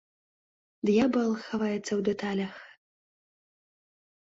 Д'ябал хаваецца ў дэталях.